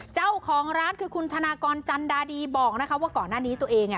เจ้าของร้านคือคุณธนากรจันดาดีบอกนะคะว่าก่อนหน้านี้ตัวเองอ่ะ